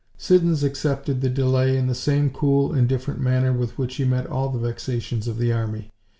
Siddons accepted the delay in the same cool, indifferent manner with which he met all the vexations of the army.